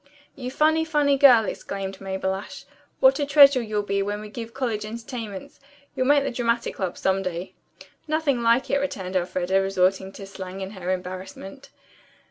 "You funny, funny girl!" exclaimed Mabel Ashe. "What a treasure you'll be when we give college entertainments. You'll make the Dramatic Club some day." "Nothing like it," returned Elfreda, resorting to slang in her embarrassment.